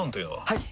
はい！